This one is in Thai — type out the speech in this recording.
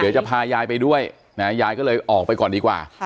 เดี๋ยวจะพายายไปด้วยนะยายก็เลยออกไปก่อนดีกว่า